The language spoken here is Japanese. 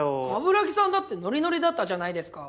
鏑木さんだってノリノリだったじゃないですか！